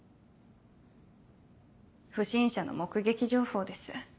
不審者の目撃情報です。